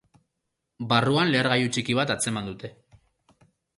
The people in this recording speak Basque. Barruan lehergailu txiki bat atzeman dute.